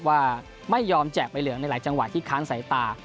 ว่าไม่ยอมแจกใบเหลืองในหลายจังหวะที่ค้านสายตา